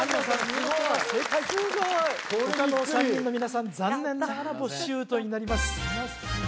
見事な正解他の３人の皆さん残念ながらボッシュートになります